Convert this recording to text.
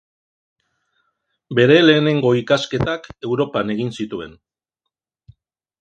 Bere lehenengo ikasketak Europan egin zituen.